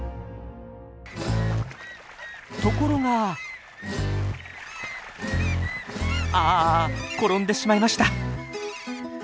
ところがあ転んでしまいました。